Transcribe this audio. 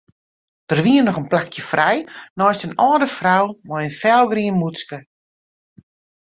Der wie noch in plakje frij neist in âlde frou mei in felgrien mûtske.